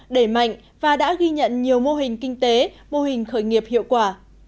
đẩy mạnh và đã ghi nhận nhiều mô hình kinh tế mô hình khởi nghiệp hiệu quả